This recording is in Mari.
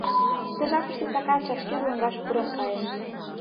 Ты жапыште Сакар чашкер лоҥгаш пурен кайыш.